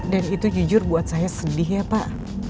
dan itu jujur buat saya sedih ya pak